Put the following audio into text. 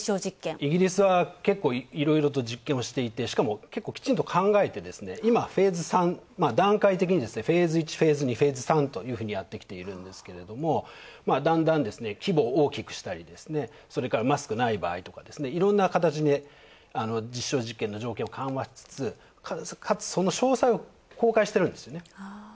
イギリスは結構、いろいろと実験をしていてしかも結構きちんと考えて今、フェーズ３、段階的にフェーズ１、フェーズ２、フェーズ３というふうにやってきているんですけど、だんだん規模を大きくしたりそれからマスクない場合とかいろんな形で実証実験の条件を緩和しつつ、かつ、その詳細を公開してるんですよね。